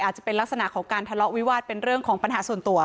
อาจจะเป็นลักษณะของการทะเลาะวิวาสเป็นเรื่องของปัญหาส่วนตัว